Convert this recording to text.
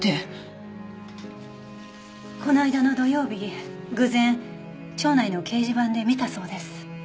この間の土曜日偶然町内の掲示板で見たそうです。